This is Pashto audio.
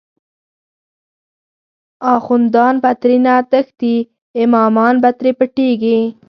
آخوندان به ترینه تښتی، امامان به تری پټیږی